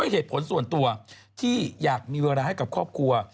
เหตุผลส่วนตัวที่อยากมีเวลาให้กับครอบครัว